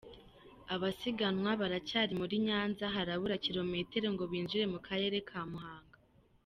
Abasiganwa baracyari muri Nyanza, harabura kilometero ngo binjire mu Karere ka Muhanga.